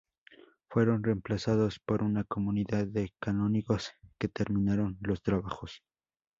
Fueron reemplazados por una comunidad de canónigos que terminaron los trabajos.